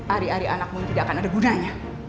ari ari anakmu tidak akan ada gunanya